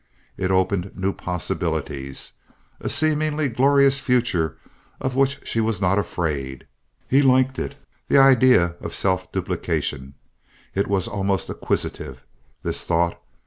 It opened new possibilities—a seemingly glorious future of which she was not afraid. He liked it, the idea of self duplication. It was almost acquisitive, this thought.